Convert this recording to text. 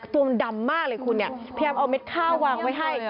ตัวมันดำมากเลยคุณเนี่ยพยายามเอาเม็ดข้าววางไว้ให้